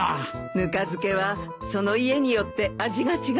ぬか漬けはその家によって味が違いますからね。